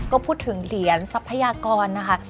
ก็พูดถึงเหรียญทรัพยากรนะคะ